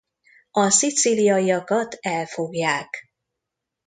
A szicíliaiakat elfogják.